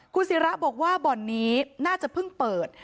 คุณศิราบอกว่าบ่อนนี้น่าจะเพิ่งเปิด